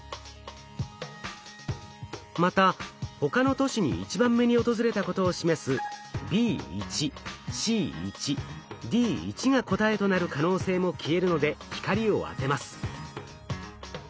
また他の都市に１番目に訪れたことを示すＢ１Ｃ１Ｄ１が答えとなる可能性も消えるので光を当てます。